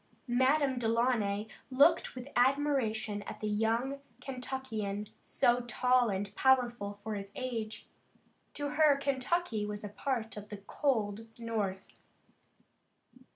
Madame Delaunay looked with admiration at the young Kentuckian, so tall and powerful for his age. To her, Kentucky was a part of the cold North.